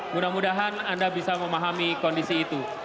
mudah mudahan anda bisa memahami kondisi itu